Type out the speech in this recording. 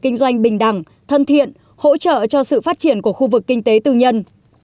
kinh doanh bình đẳng thân thiện hỗ trợ cho sự phát triển của khu vực kinh tế tư nhân